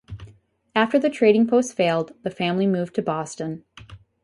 After the trading post failed, the family moved to Boston.